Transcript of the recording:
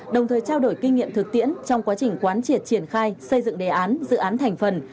đồng thời trao đổi kinh nghiệm thực tiễn trong quá trình quán triệt triển khai xây dựng đề án dự án thành phần